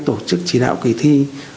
tổ chức chỉ đạo kỳ thi